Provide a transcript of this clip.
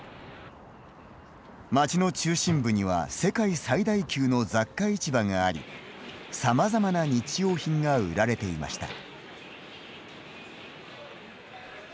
街の中心部には世界最大級の雑貨市場がありさまざまな日用品が売られていました。